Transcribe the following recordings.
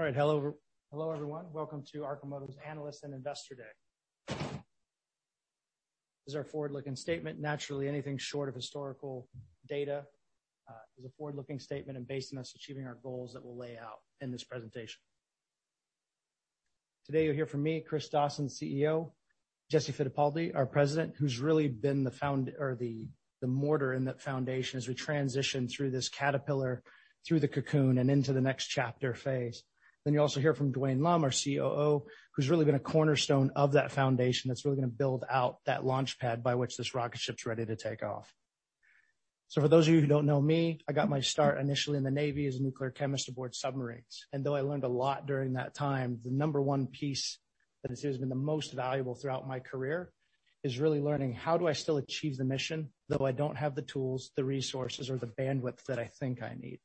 All right. Hello, hello everyone. Welcome to Arcimoto's Analyst and Investor Day. This is our forward-looking statement. Naturally, anything short of historical data, is a forward-looking statement and based on us achieving our goals that we'll lay out in this presentation. Today, you'll hear from me, Chris Dawson, CEO, Jesse Fittipaldi, our President, who's really been the mortar in that foundation as we transition through this caterpillar, through the cocoon, and into the next chapter phase. You'll also hear from Dwayne Lum, our COO, who's really been a cornerstone of that foundation, that's really gonna build out that launchpad by which this rocket ship's ready to take off. For those of you who don't know me, I got my start initially in the Navy as a nuclear chemist aboard submarines, and though I learned a lot during that time, the number one piece that has been the most valuable throughout my career is really learning, how do I still achieve the mission, though I don't have the tools, the resources, or the bandwidth that I think I need?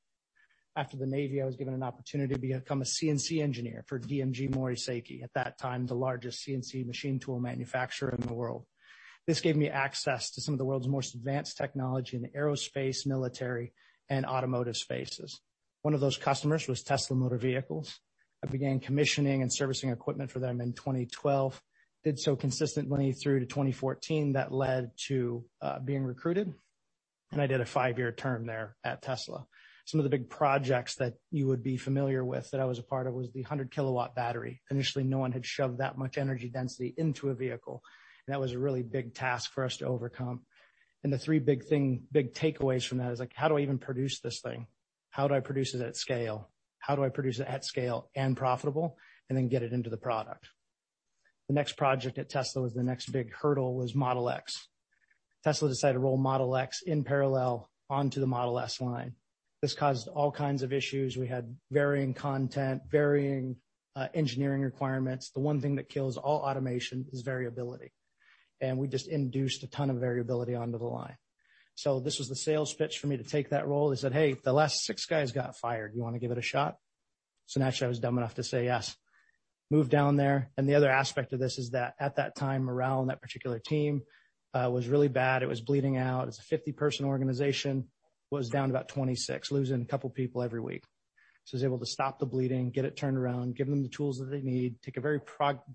After the Navy, I was given an opportunity to become a CNC engineer for DMG MORI Seiki, at that time, the largest CNC machine tool manufacturer in the world. This gave me access to some of the world's most advanced technology in aerospace, military, and automotive spaces. One of those customers was Tesla Motor Vehicles. I began commissioning and servicing equipment for them in 2012. Did so consistently through to 2014, that led to being recruited, I did a five-year term there at Tesla. Some of the big projects that you would be familiar with that I was a part of was the 100-kW battery. Initially, no one had shoved that much energy density into a vehicle, that was a really big task for us to overcome. The three big takeaways from that is, like, how do I even produce this thing? How do I produce it at scale? How do I produce it at scale and profitable, then get it into the product? The next project at Tesla was the next big hurdle, was Model X. Tesla decided to roll Model X in parallel onto the Model S line. This caused all kinds of issues. We had varying content, varying engineering requirements. The one thing that kills all automation is variability. We just induced a ton of variability onto the line. This was the sales pitch for me to take that role. They said, "Hey, the last six guys got fired. You want to give it a shot?" Naturally, I was dumb enough to say yes. Moved down there. The other aspect of this is that at that time, morale on that particular team was really bad. It was bleeding out. It was a 50-person organization, was down to about 26, losing a couple of people every week. I was able to stop the bleeding, get it turned around, give them the tools that they need, take a very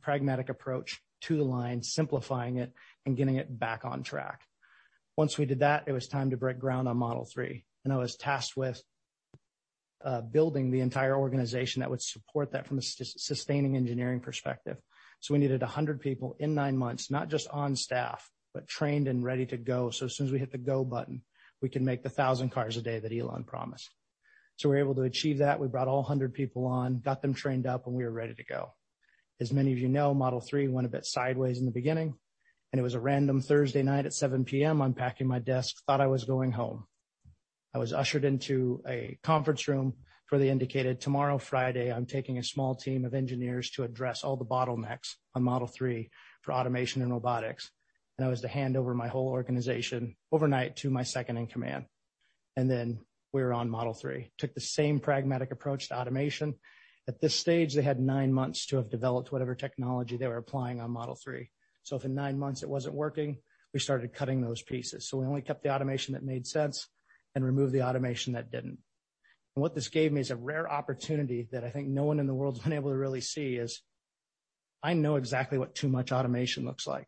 pragmatic approach to the line, simplifying it and getting it back on track. Once we did that, it was time to break ground on Model 3, and I was tasked with building the entire organization that would support that from a sustaining engineering perspective. We needed 100 people in nine months, not just on staff, but trained and ready to go. As soon as we hit the go button, we can make the 1,000 cars a day that Elon promised. We were able to achieve that. We brought all 100 people on, got them trained up, and we were ready to go. As many of you know, Model 3 went a bit sideways in the beginning, and it was a random Thursday night at 7:00 P.M., I'm packing my desk, thought I was going home. I was ushered into a conference room, where they indicated tomorrow, Friday, I'm taking a small team of engineers to address all the bottlenecks on Model 3 for automation and robotics, and I was to hand over my whole organization overnight to my second in command, and then we were on Model 3. Took the same pragmatic approach to automation. At this stage, they had nine months to have developed whatever technology they were applying on Model 3. If in nine months it wasn't working, we started cutting those pieces. We only kept the automation that made sense and removed the automation that didn't. What this gave me is a rare opportunity that I think no one in the world's been able to really see, is I know exactly what too much automation looks like.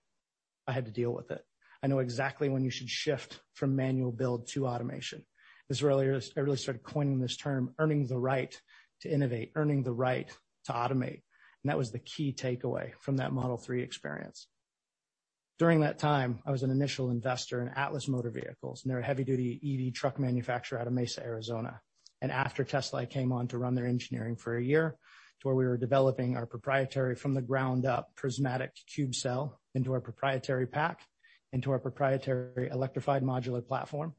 I had to deal with it. I know exactly when you should shift from manual build to automation. I really started coining this term, earning the right to innovate, earning the right to automate, that was the key takeaway from that Model 3 experience. During that time, I was an initial investor in Atlis Motor Vehicles, they're a heavy-duty EV truck manufacturer out of Mesa, Arizona. After Tesla, I came on to run their engineering for a year, to where we were developing our proprietary, from the ground up, prismatic tube cell into our proprietary pack, into our proprietary electrified modular platform,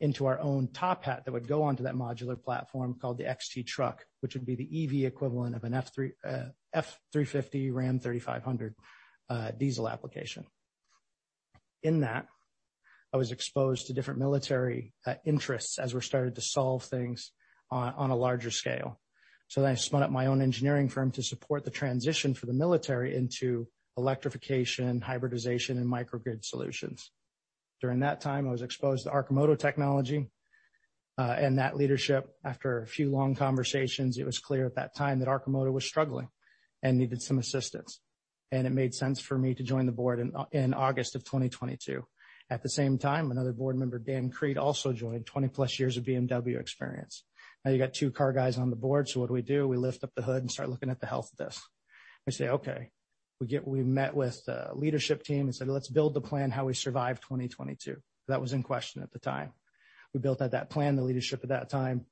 into our own top hat that would go onto that modular platform called the XT Truck, which would be the EV equivalent of an F-3, F-350 Ram 3500 diesel application. In that, I was exposed to different military interests as we started to solve things on a larger scale. I spun up my own engineering firm to support the transition for the military into electrification, hybridization, and microgrid solutions. During that time, I was exposed to Arcimoto's technology and that leadership. After a few long conversations, it was clear at that time that Arcimoto was struggling and needed some assistance, and it made sense for me to join the board in August of 2022. At the same time, another board member, Dan Creed, also joined, 20-plus years of BMW experience. You got two car guys on the board, what do we do? We lift up the hood and start looking at the health of this. We say, okay. We met with the leadership team and said, "Let's build the plan, how we survive 2022." That was in question at the time. We built out that plan. The leadership at that time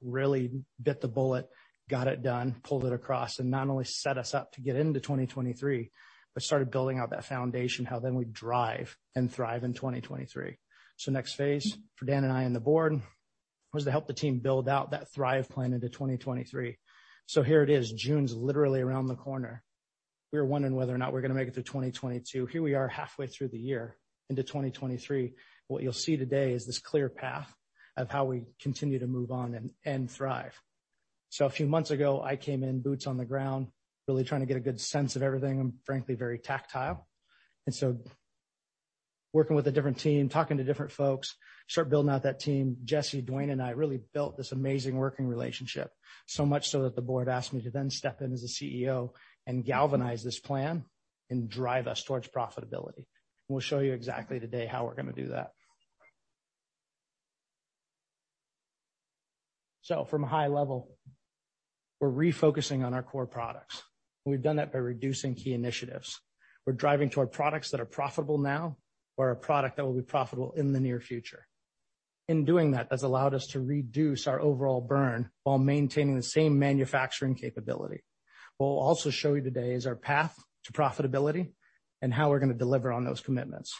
really bit the bullet, got it done, pulled it across, and not only set us up to get into 2023, but started building out that foundation, how then we drive and thrive in 2023. Next phase for Dan and I on the board, was to help the team build out that thrive plan into 2023. Here it is. June's literally around the corner. We were wondering whether or not we're gonna make it through 2022. Here we are, halfway through the year into 2023. What you'll see today is this clear path of how we continue to move on and thrive. A few months ago, I came in, boots on the ground, really trying to get a good sense of everything. I'm frankly, very tactile, and so working with a different team, talking to different folks, start building out that team. Jesse, Dwayne, and I really built this amazing working relationship, so much so that the board asked me to then step in as the CEO and galvanize this plan and drive us towards profitability. We'll show you exactly today how we're gonna do that. From a high level, we're refocusing on our core products. We've done that by reducing key initiatives. We're driving toward products that are profitable now, or a product that will be profitable in the near future. In doing that's allowed us to reduce our overall burn while maintaining the same manufacturing capability. What we'll also show you today is our path to profitability and how we're gonna deliver on those commitments.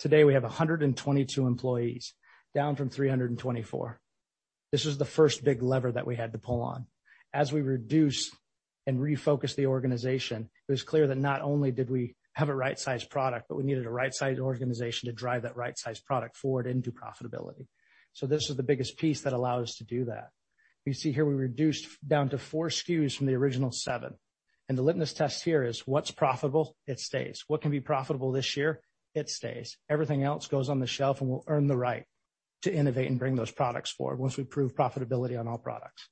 Today, we have 122 employees, down from 324. This is the first big lever that we had to pull on. As we reduced and refocused the organization, it was clear that not only did we have a right-sized product, but we needed a right-sized organization to drive that right-sized product forward into profitability. This is the biggest piece that allowed us to do that. You see here, we reduced down to four SKUs from the original seven, and the litmus test here is: what's profitable, it stays. What can be profitable this year, it stays. Everything else goes on the shelf, and we'll earn the right to innovate and bring those products forward once we prove profitability on all products.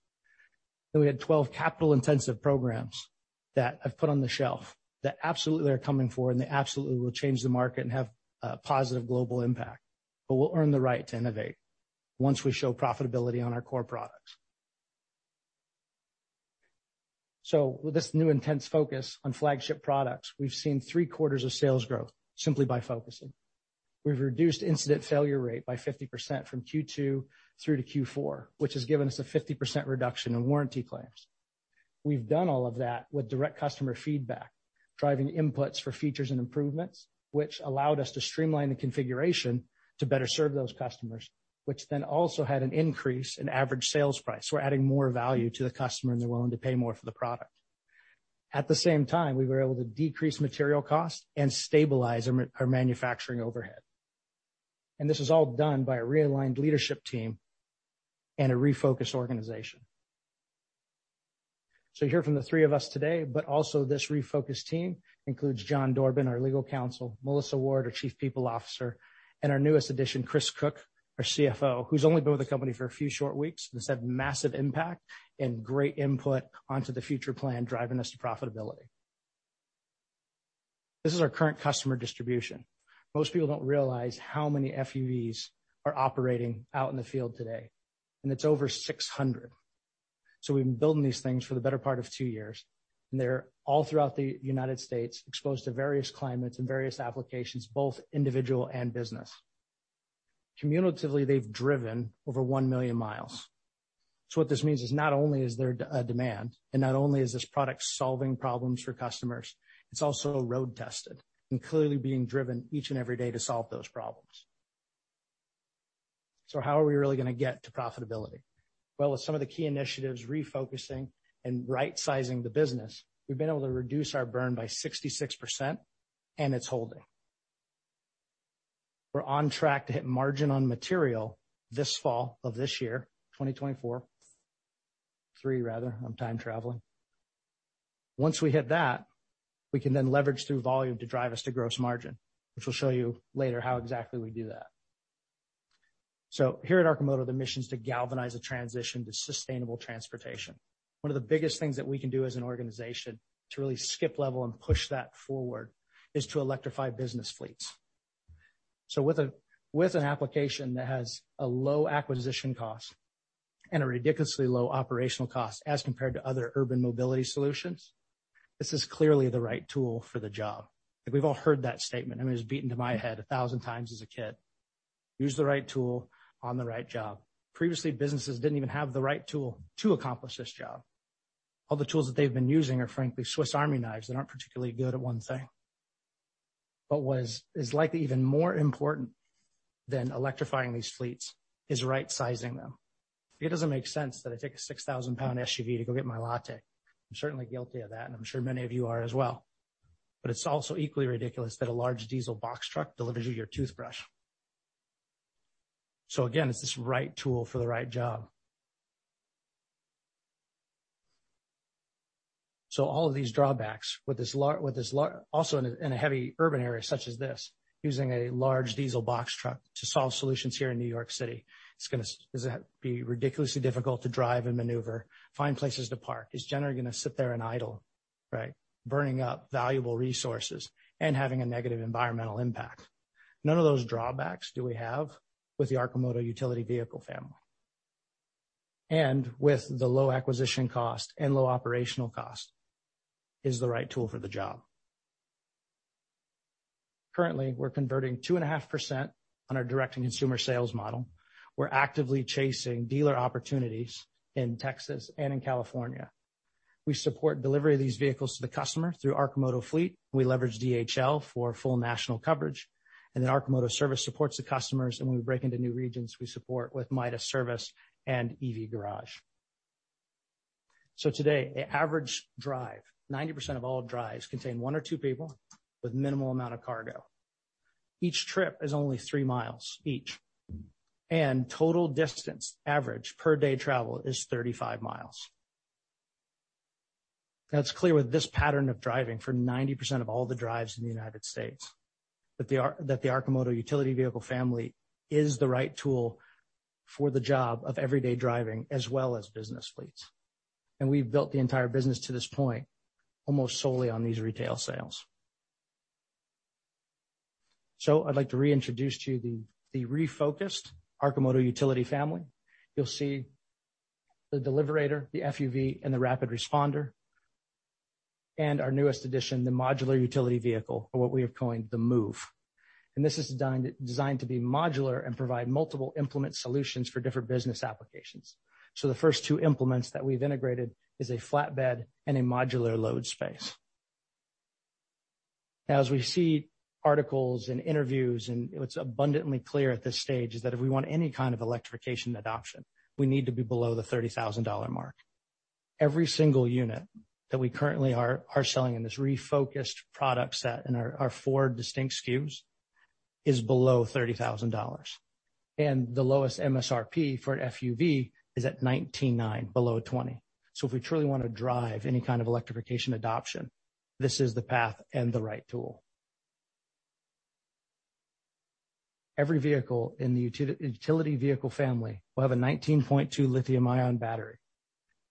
We had 12 capital-intensive programs that I've put on the shelf that absolutely are coming forward, and they absolutely will change the market and have a positive global impact. We'll earn the right to innovate once we show profitability on our core products. With this new intense focus on flagship products, we've seen three quarters of sales growth simply by focusing. We've reduced incident failure rate by 50% from Q2 through to Q4, which has given us a 50% reduction in warranty claims. We've done all of that with direct customer feedback, driving inputs for features and improvements, which allowed us to streamline the configuration to better serve those customers, which then also had an increase in average sales price. We're adding more value to the customer, and they're willing to pay more for the product. At the same time, we were able to decrease material costs and stabilize our manufacturing overhead. This was all done by a realigned leadership team and a refocused organization. You'll hear from the three of us today, but also this refocused team includes John Dorbin, our Legal Counsel, Melissa Ward, our Chief People Officer, and our newest addition, Chris Cook, our CFO, who's only been with the company for a few short weeks, has had massive impact and great input onto the future plan, driving us to profitability. This is our current customer distribution. Most people don't realize how many FUVs are operating out in the field today, and it's over 600. We've been building these things for the better part of two years, and they're all throughout the United States, exposed to various climates and various applications, both individual and business. Cumulatively, they've driven over 1 million mi. What this means is not only is there a demand, and not only is this product solving problems for customers, it's also road-tested and clearly being driven each and every day to solve those problems. How are we really gonna get to profitability? Well, with some of the key initiatives, refocusing and right-sizing the business, we've been able to reduce our burn by 66%, and it's holding. We're on track to hit margin on material this fall of this year, 2024. 2023, rather. I'm time traveling. Once we hit that, we can then leverage through volume to drive us to gross margin, which we'll show you later how exactly we do that. Here at Arcimoto, the mission is to galvanize a transition to sustainable transportation. One of the biggest things that we can do as an organization to really skip level and push that forward is to electrify business fleets. With an application that has a low acquisition cost and a ridiculously low operational cost as compared to other urban mobility solutions, this is clearly the right tool for the job. We've all heard that statement, and it was beaten to my head 1,000 times as a kid. "Use the right tool on the right job." Previously, businesses didn't even have the right tool to accomplish this job. All the tools that they've been using are, frankly, Swiss Army knives that aren't particularly good at one thing. What is likely even more important than electrifying these fleets is right-sizing them. It doesn't make sense that I take a 6,000-lbs SUV to go get my latte. I'm certainly guilty of that, and I'm sure many of you are as well. It's also equally ridiculous that a large diesel box truck delivers you your toothbrush. Again, it's this right tool for the right job. All of these drawbacks, with this also in a heavy urban area such as this, using a large diesel box truck to solve solutions here in New York City, it's gonna be ridiculously difficult to drive and maneuver, find places to park. It's generally gonna sit there and idle, right? Burning up valuable resources and having a negative environmental impact. None of those drawbacks do we have with the Arcimoto utility vehicle family. With the low acquisition cost and low operational cost, is the right tool for the job. Currently, we're converting 2.5% on our direct-to-consumer sales model. We're actively chasing dealer opportunities in Texas and in California. We support delivery of these vehicles to the customer through Arcimoto Fleet. We leverage DHL for full national coverage, and then Arcimoto Service supports the customers, and when we break into new regions, we support with Midas service and EV Garage. Today, the average drive, 90% of all drives, contain one or two people with minimal amount of cargo. Each trip is only 3 mi each, and total distance average per day travel is 35 mi. It's clear with this pattern of driving for 90% of all the drives in the United States, that the Arcimoto Utility Vehicle family is the right tool for the job of everyday driving, as well as business fleets. We've built the entire business to this point, almost solely on these retail sales. I'd like to reintroduce to you the refocused Arcimoto utility family. You'll see the Deliverator, the FUV, and the Rapid Responder, and our newest addition, the Modular Utility Vehicle, or what we have coined the MOVE. This is designed to be modular and provide multiple implement solutions for different business applications. The first two implements that we've integrated is a flatbed and a modular load space. As we see articles and interviews, and what's abundantly clear at this stage, is that if we want any kind of electrification adoption, we need to be below the $30,000 mark. Every single unit that we currently are selling in this refocused product set and our four distinct SKUs is below $30,000, and the lowest MSRP for an FUV is at $19,900, below $20,000. If we truly want to drive any kind of electrification adoption, this is the path and the right tool. Every vehicle in the utility vehicle family will have a 19.2 lithium-ion battery,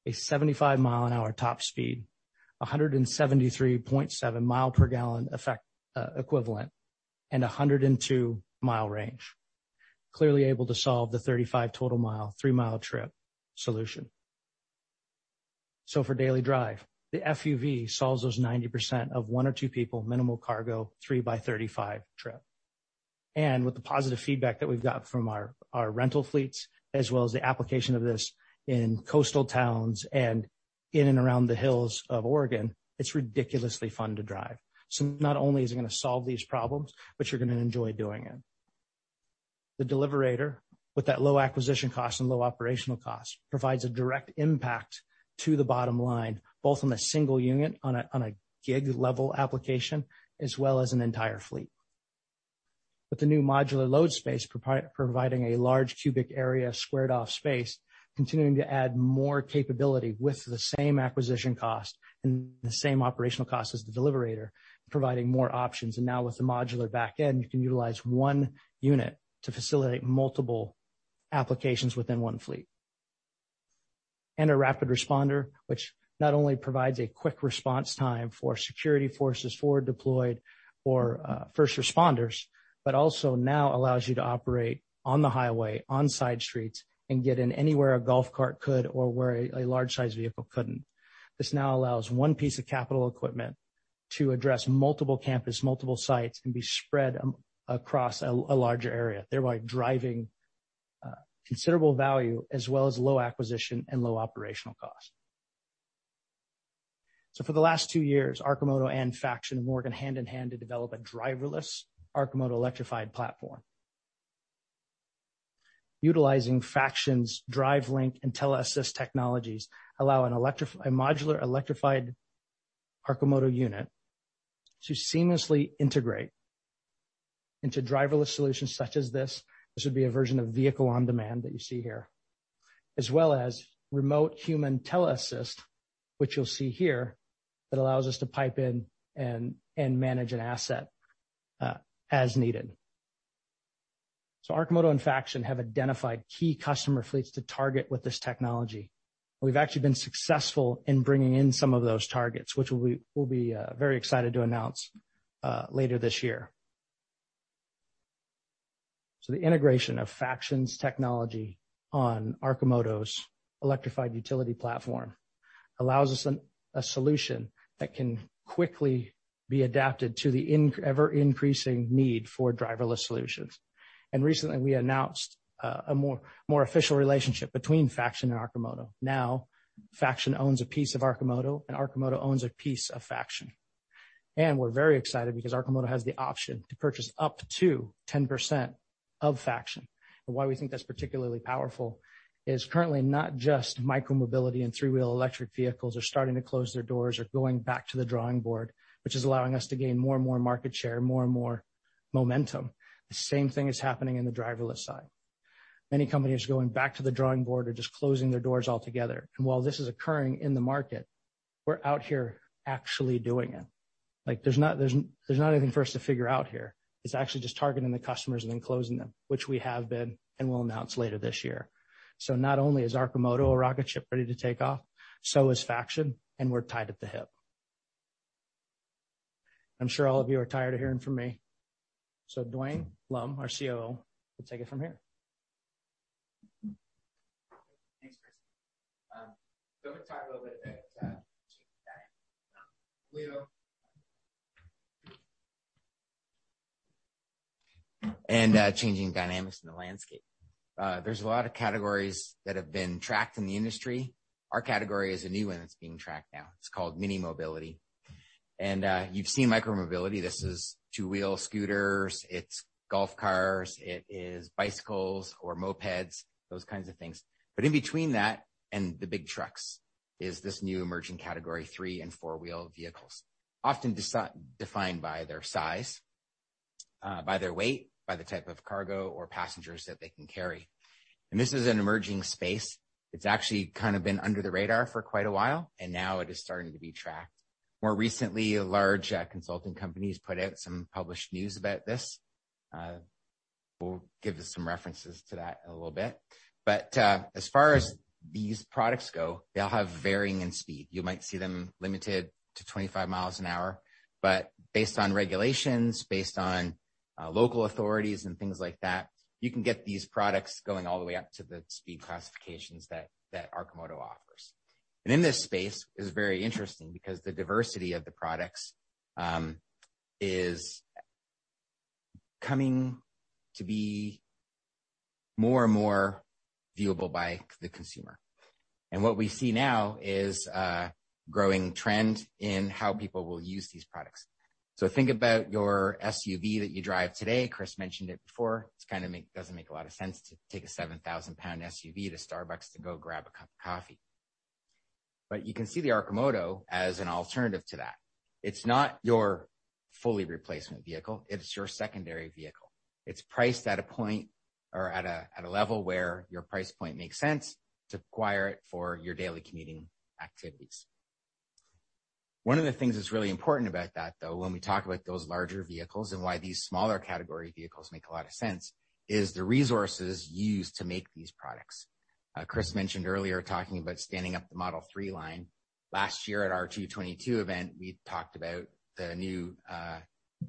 a 75 mi an hour top speed, a 173.7 mi per gallon equivalent, and a 102-mi range, clearly able to solve the 35 total mile, 3-mi trip solution. For daily drive, the FUV solves those 90% of one or two people, minimal cargo, 3 by 35 trip. With the positive feedback that we've got from our rental fleets, as well as the application of this in coastal towns and in and around the hills of Oregon, it's ridiculously fun to drive. Not only is it gonna solve these problems, but you're gonna enjoy doing it. The Deliverator, with that low acquisition cost and low operational cost, provides a direct impact to the bottom line, both on a single unit, on a gig-level application, as well as an entire fleet. With the new modular load space, providing a large cubic area, squared-off space, continuing to add more capability with the same acquisition cost and the same operational cost as the Deliverator, providing more options. Now with the modular back end, you can utilize one unit to facilitate multiple applications within one fleet. A Rapid Responder, which not only provides a quick response time for security forces forward deployed or first responders, but also now allows you to operate on the highway, on side streets, and get in anywhere a golf cart could or where a large-sized vehicle couldn't. This now allows one piece of capital equipment to address multiple campus, multiple sites, and be spread across a larger area, thereby driving considerable value, as well as low acquisition and low operational cost. For the last two years, Arcimoto and Faction have worked hand-in-hand to develop a driverless Arcimoto electrified platform. Utilizing Faction's DriveLink and TeleAssist technologies, allow a modular, electrified Arcimoto unit to seamlessly integrate into driverless solutions such as this. This would be a version of vehicle on demand that you see here, as well as remote human TeleAssist, which you'll see here, that allows us to pipe in and manage an asset as needed. Arcimoto and Faction have identified key customer fleets to target with this technology. We've actually been successful in bringing in some of those targets, which we'll be very excited to announce later this year. The integration of Faction's technology on Arcimoto's electrified utility platform allows us a solution that can quickly be adapted to the ever-increasing need for driverless solutions. Recently, we announced a more official relationship between Faction and Arcimoto. Faction owns a piece of Arcimoto, and Arcimoto owns a piece of Faction. We're very excited because Arcimoto has the option to purchase up to 10% of Faction. Why we think that's particularly powerful is currently not just micromobility and three-wheel electric vehicles are starting to close their doors or going back to the drawing board, which is allowing us to gain more and more market share, more and more momentum. The same thing is happening in the driverless side. Many companies are going back to the drawing board or just closing their doors altogether. While this is occurring in the market, we're out here actually doing it. Like, there's not anything for us to figure out here. It's actually just targeting the customers and then closing them, which we have been and will announce later this year. Not only is Arcimoto a rocket ship ready to take off, so is Faction, and we're tied at the hip. I'm sure all of you are tired of hearing from me. Dwayne Lum, our COO, will take it from here. Thanks, Chris. I'm gonna talk a little bit about changing dynamic, and changing dynamics in the landscape. There's a lot of categories that have been tracked in the industry. Our category is a new one that's being tracked now. It's called minimobility. You've seen micromobility. This is two-wheel scooters, it's golf cars, it is bicycles or mopeds, those kinds of things. In between that and the big trucks is this new emerging category, three-and four-wheel vehicles, often defined by their size, by their weight, by the type of cargo or passengers that they can carry. This is an emerging space. It's actually kind of been under the radar for quite a while, and now it is starting to be tracked. More recently, large, consulting companies put out some published news about this. We'll give you some references to that in a little bit. As far as these products go, they all have varying in speed. You might see them limited to 25 mi an hour, but based on regulations, based on local authorities and things like that, you can get these products going all the way up to the speed classifications that Arcimoto offers. In this space, is very interesting because the diversity of the products is coming to be more and more viewable by the consumer. What we see now is a growing trend in how people will use these products. Think about your SUV that you drive today. Chris mentioned it before. It kind of doesn't make a lot of sense to take a 7,000 lbs SUV to Starbucks to go grab a cup of coffee. You can see the Arcimoto as an alternative to that. It's not your fully replacement vehicle. It's your secondary vehicle. It's priced at a point or at a level where your price point makes sense to acquire it for your daily commuting activities. One of the things that's really important about that, though, when we talk about those larger vehicles and why these smaller category vehicles make a lot of sense, is the resources used to make these products. Chris mentioned earlier, talking about standing up the Model 3 line. Last year at our 2022 event, we talked about the new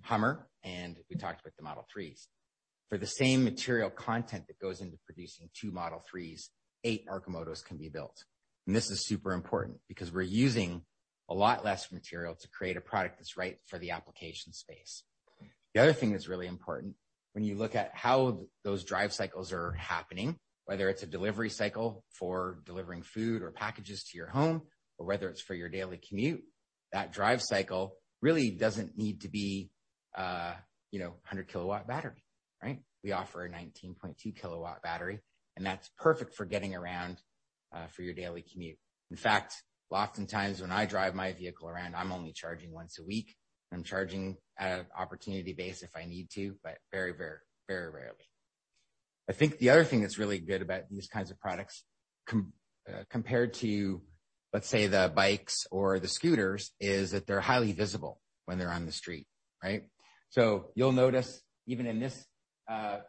Hummer, and we talked about the Model 3s. For the same material content that goes into producing two Model 3s, eight Arcimotos can be built. This is super important because we're using a lot less material to create a product that's right for the application space. The other thing that's really important when you look at how those drive cycles are happening, whether it's a delivery cycle for delivering food or packages to your home, or whether it's for your daily commute, that drive cycle really doesn't need to be, you know, a 100 kW battery, right? We offer a 19.2 kW battery, and that's perfect for getting around for your daily commute. In fact, oftentimes, when I drive my vehicle around, I'm only charging once a week. I'm charging at an opportunity base if I need to, but very, very, very rarely. I think the other thing that's really good about these kinds of products compared to, let's say, the bikes or the scooters, is that they're highly visible when they're on the street, right? You'll notice, even in this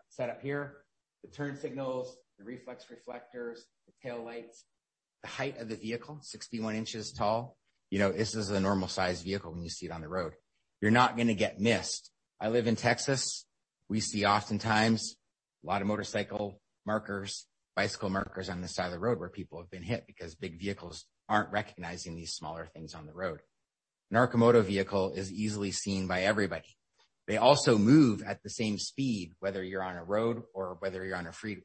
setup here, the turn signals, the reflex reflectors, the tail lights, the height of the vehicle, 61 in tall. You know, this is a normal-sized vehicle when you see it on the road. You're not gonna get missed. I live in Texas. We see oftentimes a lot of motorcycle markers, bicycle markers on the side of the road where people have been hit because big vehicles aren't recognizing these smaller things on the road. An Arcimoto vehicle is easily seen by everybody. They also move at the same speed, whether you're on a road or whether you're on a freeway.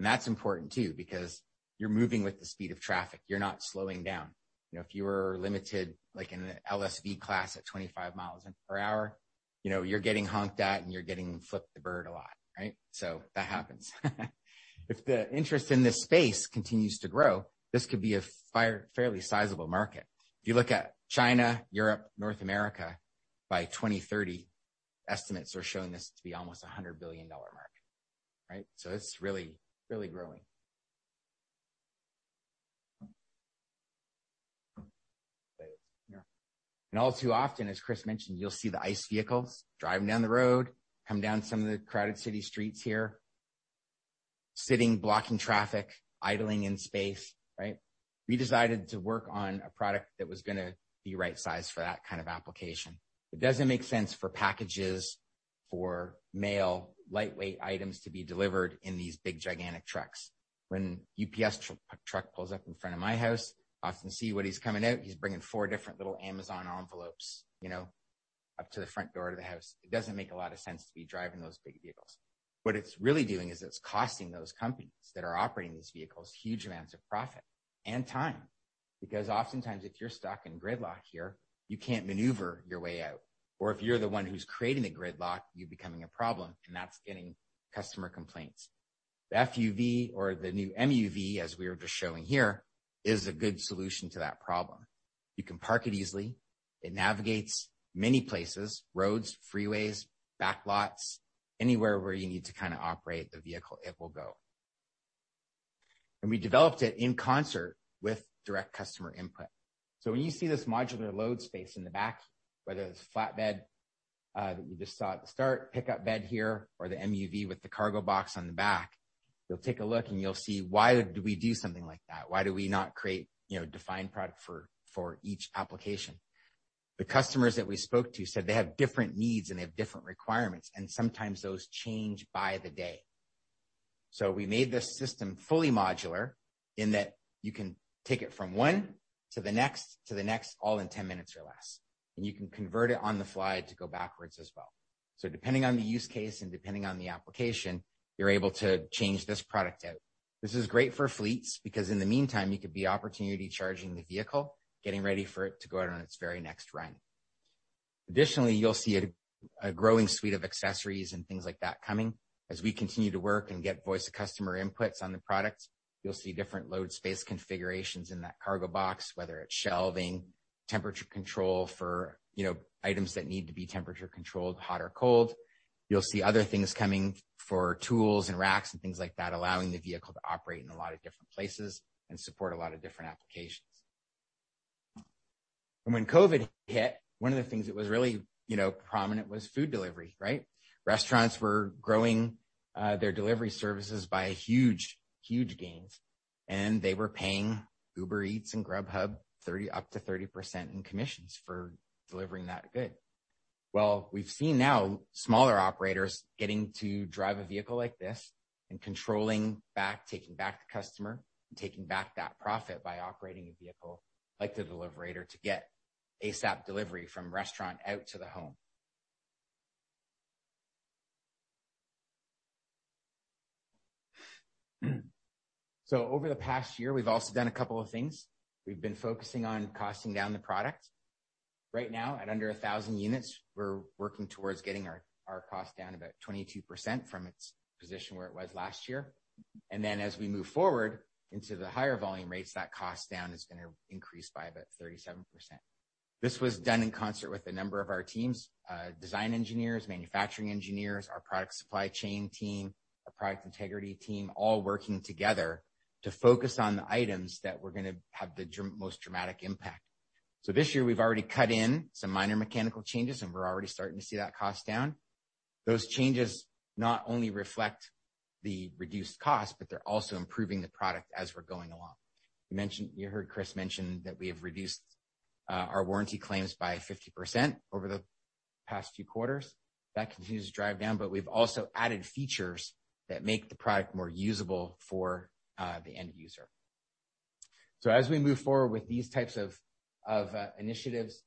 That's important, too, because you're moving with the speed of traffic. You're not slowing down. You know, if you were limited, like in an LSV class at 25 mi per hour, you know you're getting honked at and you're getting flip the bird a lot, right? That happens. If the interest in this space continues to grow, this could be a fair, fairly sizable market. If you look at China, Europe, North America, by 2030, estimates are showing this to be almost a $100 billion market, right? It's really, really growing. All too often, as Chris mentioned, you'll see the ICE vehicles driving down the road, come down some of the crowded city streets here, sitting, blocking traffic, idling in space, right? We decided to work on a product that was gonna be right-sized for that kind of application. It doesn't make sense for packages, for mail, lightweight items to be delivered in these big, gigantic trucks. When UPS truck pulls up in front of my house, I often see what he's coming out. He's bringing four different little Amazon envelopes, you know, up to the front door of the house. It doesn't make a lot of sense to be driving those big vehicles. What it's really doing is it's costing those companies that are operating these vehicles huge amounts of profit and time. Oftentimes, if you're stuck in gridlock here, you can't maneuver your way out, or if you're the one who's creating the gridlock, you're becoming a problem, and that's getting customer complaints. The FUV or the new MUV, as we are just showing here, is a good solution to that problem. You can park it easily. It navigates many places, roads, freeways, backlots, anywhere where you need to kinda operate the vehicle, it will go. We developed it in concert with direct customer input. When you see this modular load space in the back, whether it's a flatbed, that you just saw at the start, pickup bed here, or the MUV with the cargo box on the back, you'll take a look, and you'll see, why would we do something like that? Why do we not create, you know, defined product for each application? The customers that we spoke to said they have different needs and they have different requirements, and sometimes those change by the day. We made this system fully modular in that you can take it from one to the next, to the next, all in 10 minutes or less, and you can convert it on the fly to go backwards as well. Depending on the use case and depending on the application, you're able to change this product out. This is great for fleets because in the meantime, you could be opportunity charging the vehicle, getting ready for it to go out on its very next run. Additionally, you'll see a growing suite of accessories and things like that coming. As we continue to work and get voice of customer inputs on the products, you'll see different load space configurations in that cargo box, whether it's shelving, temperature control for, you know, items that need to be temperature controlled, hot or cold. You'll see other things coming for tools and racks and things like that, allowing the vehicle to operate in a lot of different places and support a lot of different applications. When COVID hit, one of the things that was really, you know, prominent was food delivery, right? Restaurants were growing their delivery services by huge gains, and they were paying Uber Eats and Grubhub up to 30% in commissions for delivering that good. We've seen now smaller operators getting to drive a vehicle like this and controlling back, taking back the customer, and taking back that profit by operating a vehicle like the Deliverator or to get ASAP delivery from restaurant out to the home. Over the past year, we've also done a couple of things. We've been focusing on costing down the product. Right now, at under 1,000 units, we're working towards getting our cost down about 22% from its position where it was last year. Then as we move forward into the higher volume rates, that cost down is going to increase by about 37%. This was done in concert with a number of our teams, design engineers, manufacturing engineers, our product supply chain team, our product integrity team, all working together to focus on the items that were going to have the most dramatic impact. This year we've already cut in some minor mechanical changes, and we're already starting to see that cost down. Those changes not only reflect the reduced cost, but they're also improving the product as we're going along. You heard Chris mention that we have reduced our warranty claims by 50% over the past few quarters. That continues to drive down. We've also added features that make the product more usable for the end user. As we move forward with these types of initiatives,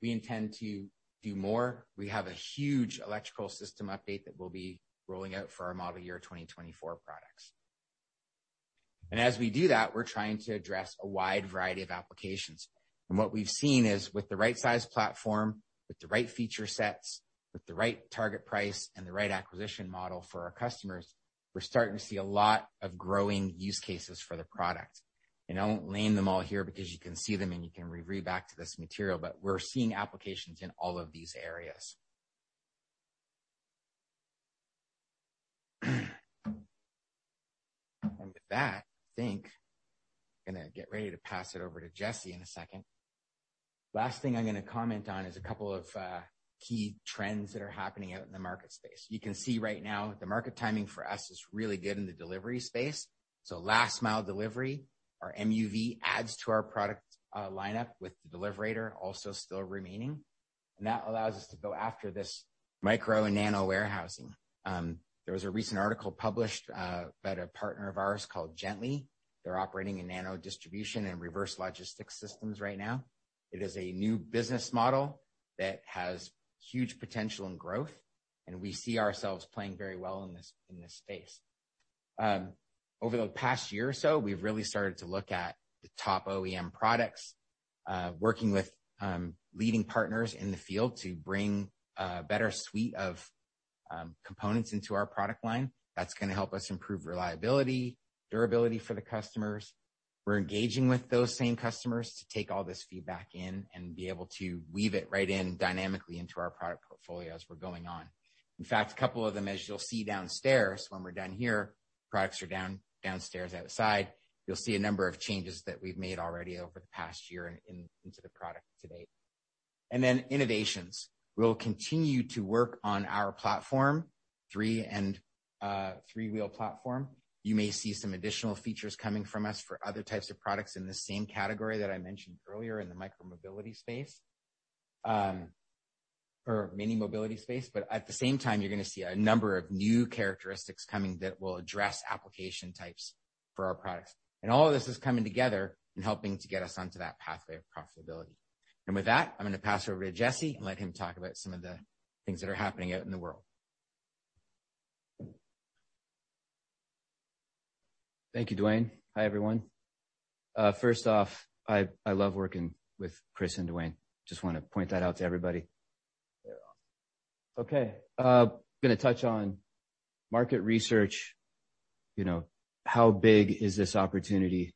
we intend to do more. We have a huge electrical system update that we'll be rolling out for our model year 2024 products. As we do that, we're trying to address a wide variety of applications. What we've seen is, with the right size platform, with the right feature sets, with the right target price, and the right acquisition model for our customers, we're starting to see a lot of growing use cases for the product. I won't name them all here because you can see them and you can re-read back to this material, but we're seeing applications in all of these areas. With that, I think I'm gonna get ready to pass it over to Jesse in a second. Last thing I'm gonna comment on is a couple of key trends that are happening out in the market space. You can see right now, the market timing for us is really good in the delivery space. Last-mile delivery, our MUV adds to our product lineup, with the Deliverator also still remaining. That allows us to go after this micro-and-nano warehousing. There was a recent article published by a partner of ours called Gently. They're operating in nano distribution and reverse logistics systems right now. It is a new business model that has huge potential and growth, and we see ourselves playing very well in this, in this space. Over the past year or so, we've really started to look at the top OEM products, working with leading partners in the field to bring a better suite of components into our product line. That's going to help us improve reliability, durability for the customers. We're engaging with those same customers to take all this feedback in and be able to weave it right in dynamically into our product portfolio as we're going on. In fact, a couple of them, as you'll see downstairs when we're done here, products are downstairs, outside. You'll see a number of changes that we've made already over the past year into the product to date. Innovations. We'll continue to work on our platform, three-wheel platform. You may see some additional features coming from us for other types of products in the same category that I mentioned earlier in the micromobility space, or minimobility space. At the same time, you're gonna see a number of new characteristics coming that will address application types for our products. All of this is coming together and helping to get us onto that pathway of profitability. With that, I'm gonna pass it over to Jesse and let him talk about some of the things that are happening out in the world. Thank you, Dwayne. Hi, everyone. First off, I love working with Chris and Dwayne. Just wanna point that out to everybody. I'm gonna touch on market research. You know, how big is this opportunity?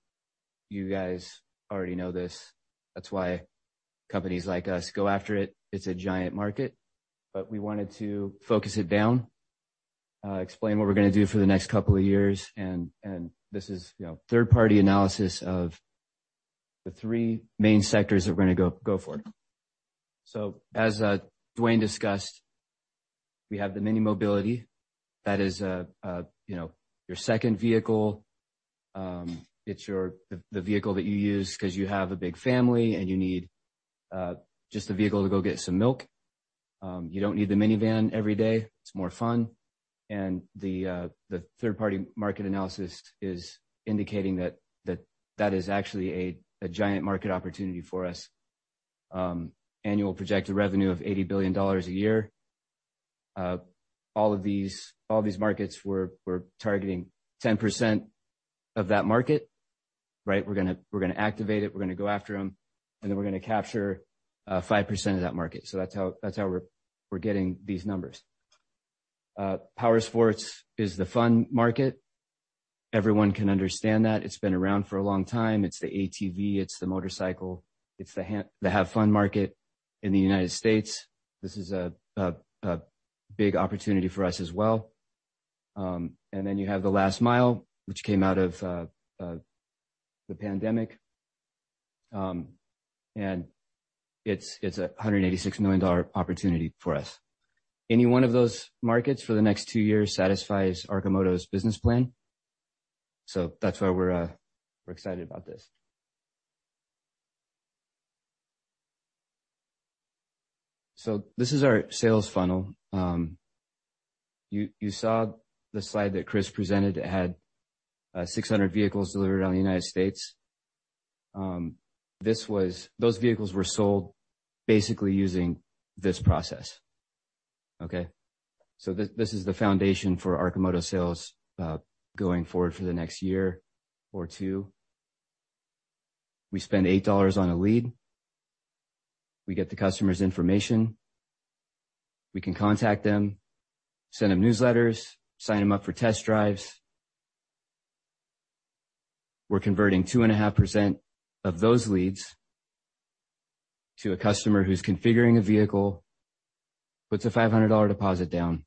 You guys already know this. That's why companies like us go after it. It's a giant market, we wanted to focus it down, explain what we're gonna do for the next couple of years. This is, you know, third-party analysis of the three main sectors that we're gonna go for. As Dwayne discussed, we have the minimobility. That is, you know, your second vehicle. It's the vehicle that you use 'cause you have a big family, and you need just a vehicle to go get some milk. You don't need the minivan every day. It's more fun. The third-party market analysis is indicating that that is actually a giant market opportunity for us. Annual projected revenue of $80 billion a year. All these markets, we're targeting 10% of that market, right? We're gonna activate it, we're gonna go after them, and then we're gonna capture 5% of that market. That's how we're getting these numbers. Powersports is the fun market. Everyone can understand that. It's been around for a long time. It's the ATV, it's the motorcycle, it's the have-fun market in the United States. This is a big opportunity for us as well. Then you have the last-mile, which came out of the pandemic. It's a $186 million opportunity for us. Any one of those markets for the next two years satisfies Arcimoto's business plan. That's why we're excited about this. This is our sales funnel. You saw the slide that Chris presented. It had 600 vehicles delivered around the United States. Those vehicles were sold basically using this process, okay? This is the foundation for Arcimoto sales going forward for the next year or two. We spend $8 on a lead. We get the customer's information. We can contact them, send them newsletters, sign them up for test drives. We're converting 2.5% of those leads to a customer who's configuring a vehicle, puts a $500 deposit down,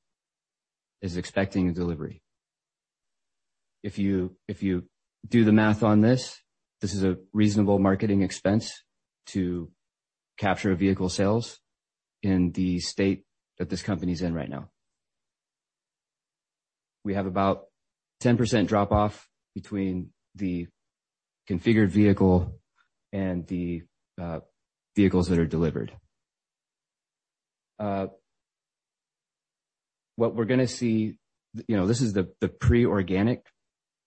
is expecting a delivery. If you do the math on this is a reasonable marketing expense to capture vehicle sales in the state that this company's in right now. We have about 10% drop-off between the configured vehicle and the vehicles that are delivered. What we're gonna see, you know, this is the pre-organic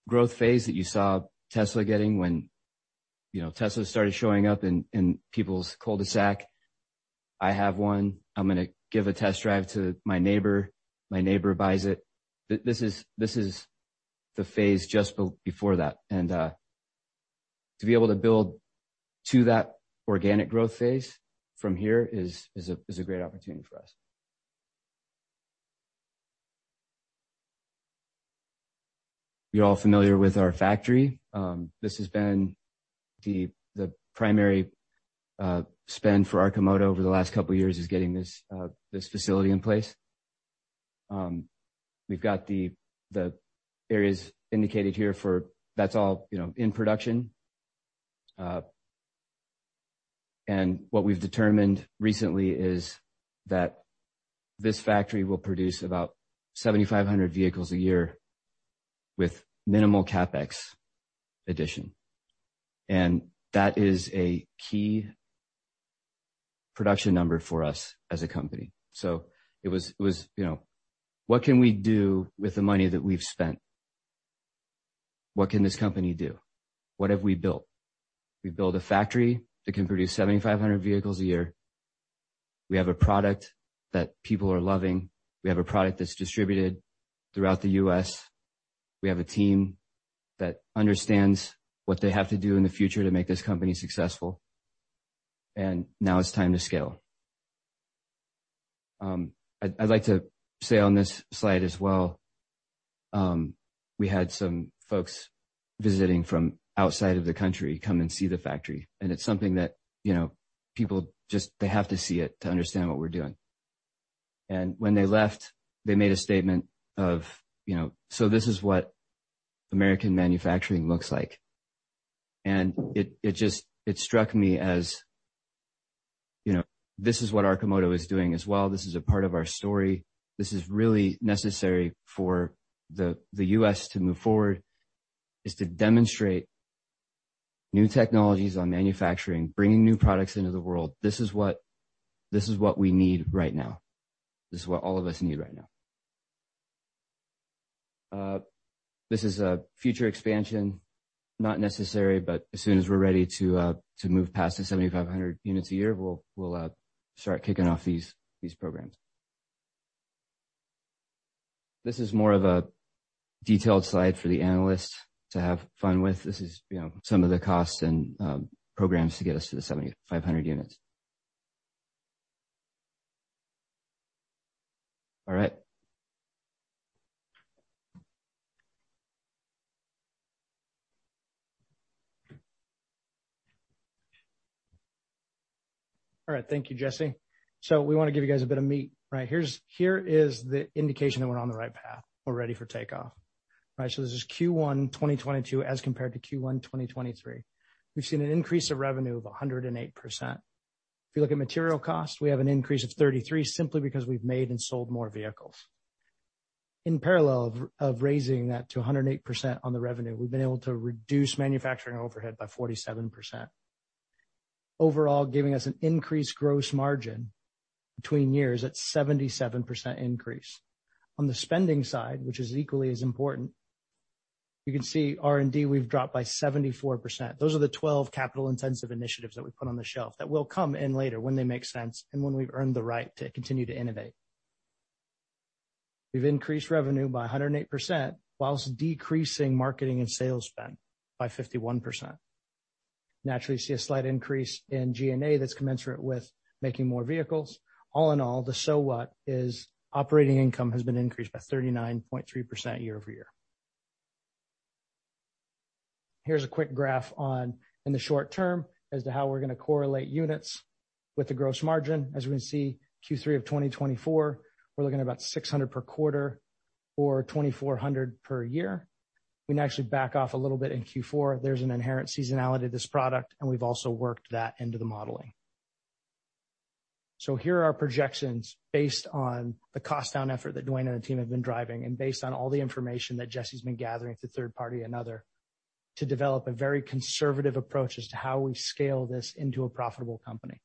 growth phase that you saw Tesla getting when, you know, Tesla started showing up in people's cul-de-sac. I have one. I'm gonna give a test drive to my neighbor. My neighbor buys it. This is the phase just before that. To be able to build to that organic growth phase from here is a great opportunity for us. You're all familiar with our factory. This has been the primary spend for Arcimoto over the last couple of years, is getting this facility in place. We've got the areas indicated here for. That's all, you know, in production. What we've determined recently is that this factory will produce about 7,500 vehicles a year with minimal CapEx addition, and that is a key production number for us as a company. It was, you know, what can we do with the money that we've spent? What can this company do? What have we built? We've built a factory that can produce 7,500 vehicles a year. We have a product that people are loving. We have a product that's distributed throughout the U.S. We have a team that understands what they have to do in the future to make this company successful. Now it's time to scale. I'd like to say on this slide as well, we had some folks visiting from outside of the country come and see the factory, and it's something that, you know, people just, they have to see it to understand what we're doing. When they left, they made a statement of, you know, "So this is what American manufacturing looks like." It struck me as, you know, this is what Arcimoto is doing as well. This is a part of our story. This is really necessary for the U.S. to move forward, is to demonstrate new technologies on manufacturing, bringing new products into the world. This is what we need right now. This is what all of us need right now. This is a future expansion. Not necessary, as soon as we're ready to move past the 7,500 units a year, we'll start kicking off these programs. This is more of a detailed slide for the analysts to have fun with. This is, you know, some of the costs and programs to get us to the 7,500 units. All right. Thank you, Jesse. We wanna give you guys a bit of meat. Right. Here is the indication that we're on the right path. We're ready for takeoff. Right. This is Q1 2022 as compared to Q1 2023. We've seen an increase of revenue of 108%. If you look at material costs, we have an increase of 33%, simply because we've made and sold more vehicles. In parallel of raising that to 108% on the revenue, we've been able to reduce manufacturing overhead by 47%. Overall, giving us an increased gross margin between years at 77% increase. On the spending side, which is equally as important. You can see R&D, we've dropped by 74%. Those are the 12 capital-intensive initiatives that we put on the shelf that will come in later when they make sense and when we've earned the right to continue to innovate. We've increased revenue by 108% whilst decreasing marketing and sales spend by 51%. Naturally, you see a slight increase in G&A that's commensurate with making more vehicles. All in all, the so what is operating income has been increased by 39.3% year-over-year. Here's a quick graph on, in the short term, as to how we're gonna correlate units with the gross margin. As we can see, Q3 of 2024, we're looking at about 600 per quarter or 2,400 per year. We can actually back off a little bit in Q4. There's an inherent seasonality to this product, and we've also worked that into the modeling. Here are our projections based on the cost down effort that Dwayne and the team have been driving, and based on all the information that Jesse's been gathering through third party and other, to develop a very conservative approach as to how we scale this into a profitable company.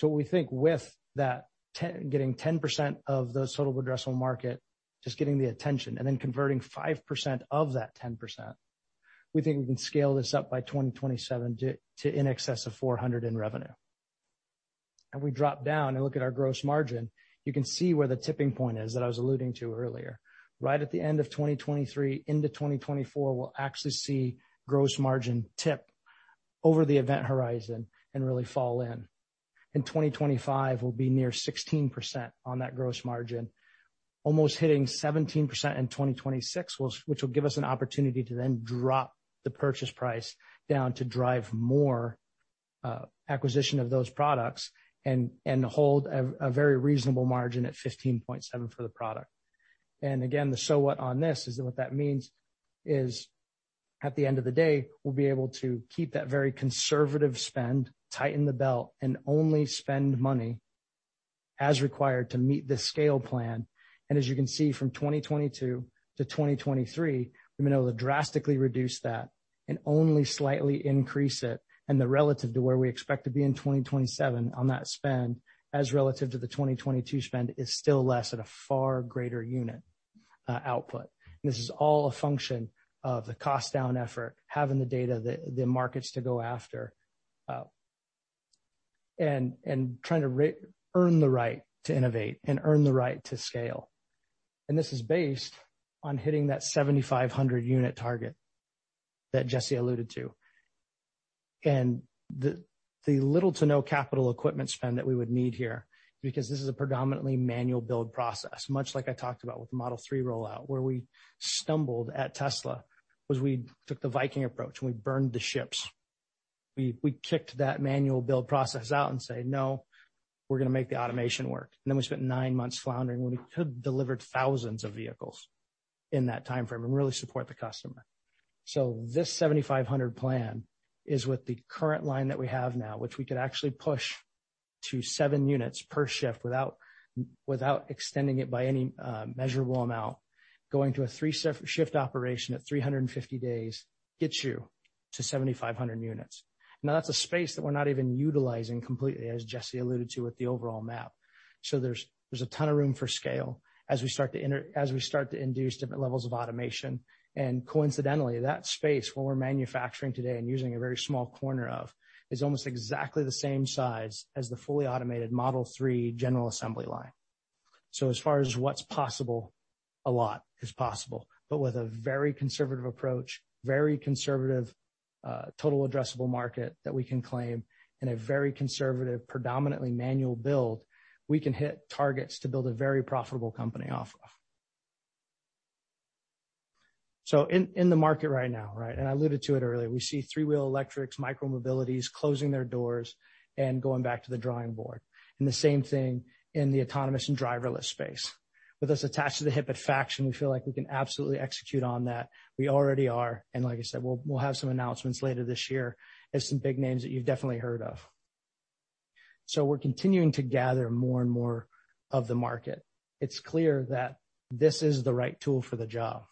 We think with that, getting 10% of those total addressable market, just getting the attention, and then converting 5% of that 10%, we think we can scale this up by 2027 to in excess of $400 in revenue. If we drop down and look at our gross margin, you can see where the tipping point is that I was alluding to earlier. Right at the end of 2023 into 2024, we'll actually see gross margin tip over the event horizon and really fall in. In 2025, we'll be near 16% on that gross margin, almost hitting 17% in 2026, which will give us an opportunity to then drop the purchase price down to drive more acquisition of those products and hold a very reasonable margin at 15.7% for the product. Again, the so what on this is that what that means is, at the end of the day, we'll be able to keep that very conservative spend, tighten the belt, and only spend money as required to meet the scale plan. As you can see, from 2022 to 2023, we've been able to drastically reduce that and only slightly increase it. The relative to where we expect to be in 2027 on that spend, as relative to the 2022 spend, is still less at a far greater unit output. This is all a function of the cost-down effort, having the data, the markets to go after, and trying to earn the right to innovate and earn the right to scale. This is based on hitting that 7,500-unit target that Jesse alluded to. The little to no capital equipment spend that we would need here, because this is a predominantly manual build process, much like I talked about with the Model 3 rollout, where we stumbled at Tesla, was we took the Viking approach, and we burned the ships. We kicked that manual build process out and said, "No, we're gonna make the automation work." We spent nine months floundering when we could have delivered thousands of vehicles in that time frame and really support the customer. This 7,500-plan is with the current line that we have now, which we could actually push to seven units per shift without extending it by any measurable amount. Going to a three-shift operation at 350 days gets you to 7,500 units. That's a space that we're not even utilizing completely, as Jesse alluded to, with the overall map. There's a ton of room for scale as we start to induce different levels of automation. Coincidentally, that space, where we're manufacturing today and using a very small corner of, is almost exactly the same size as the fully automated Model 3 general assembly line. As far as what's possible, a lot is possible, but with a very conservative approach, very conservative, total addressable market that we can claim, and a very conservative, predominantly manual build, we can hit targets to build a very profitable company off of. In, in the market right now, right, and I alluded to it earlier, we see three-wheel electrics, micromobilities, closing their doors and going back to the drawing board, and the same thing in the autonomous and driverless space. With us attached to the hip at Faction, we feel like we can absolutely execute on that. We already are, like I said, we'll have some announcements later this year of some big names that you've definitely heard of. We're continuing to gather more and more of the market. It's clear that this is the right tool for the job.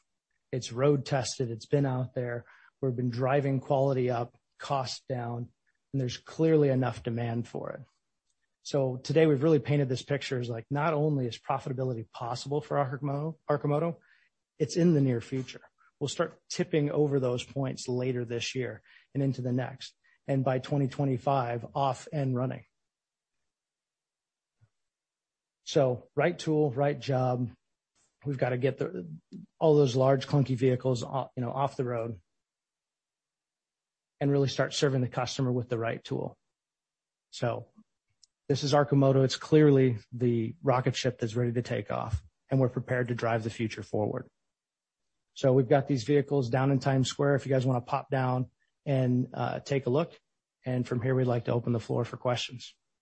It's road-tested, it's been out there, we've been driving quality up, costs down, there's clearly enough demand for it. Today, we've really painted this picture as like, not only is profitability possible for Arcimoto, it's in the near future. We'll start tipping over those points later this year and into the next, by 2025, off and running. Right tool, right job. We've got to get all those large, clunky vehicles, you know, off the road really start serving the customer with the right tool. This is Arcimoto. It's clearly the rocket ship that's ready to take off, and we're prepared to drive the future forward. We've got these vehicles down in Times Square if you guys wanna pop down and take a look. From here, we'd like to open the floor for questions.